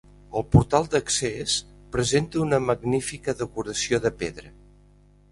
El portal d'accés presenta una magnífica decoració de pedra.